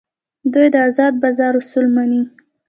دوی د ازاد بازار اصول مني.